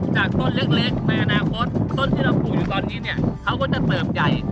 จากต้นเล็กในอนาคตต้นที่เราปลูกอยู่ตอนนี้เนี่ยเขาก็จะเติบใหญ่